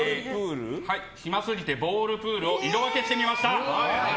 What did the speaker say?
暇すぎて、ボールプールを色分けしてみました。